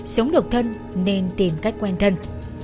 sống độc thân nên tìm cách quen thân